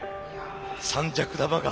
三尺玉が。